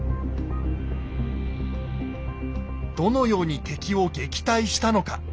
どのように敵を撃退したのか。